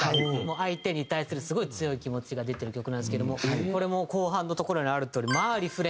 相手に対するすごい強い気持ちが出てる曲なんですけどもこれも後半のところにあるとおりまあリフレインしていて。